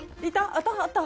頭あった？